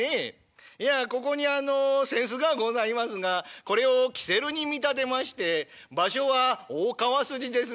いやここに扇子がございますがこれをキセルに見立てまして場所は大川筋ですな。